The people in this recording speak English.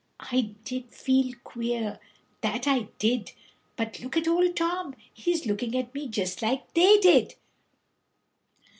I did feel queer, that I did! But look at Old Tom; he's looking at me just like they did."